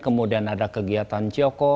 kemudian ada kegiatan ciyoko